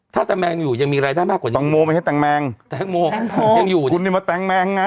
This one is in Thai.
ถ้าตะแมงอยู่ยังมีรายได้มากกว่าแตงโมไม่ใช่แตงโมแตงโมยังอยู่คุณนี่มาแต๊งแมงไง